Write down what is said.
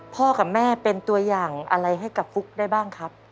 พ่อกับแม่เป็นตัวอย่างอะไรให้กับฟุ๊กได้บ้างครับ